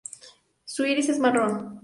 Su iris es marrón.